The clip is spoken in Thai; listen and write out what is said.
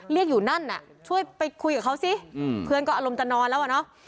อยู่นั่นน่ะช่วยไปคุยกับเขาสิเพื่อนก็อารมณ์จะนอนแล้วอ่ะเนอะ